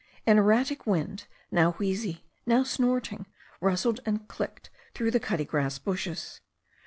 An erratic wind, now wheezy, now snorting, rustled and clicked through the cuttigrass bushes.